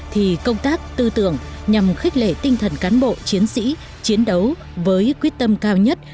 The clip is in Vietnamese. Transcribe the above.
thì công tác tư tưởng nhằm khích lệ tinh thần cán bộ chiến sĩ chiến đấu với quyết tâm cao nhất